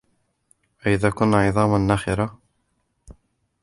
أإذا كنا عظاما نخرة